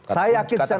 saya yakin secara judul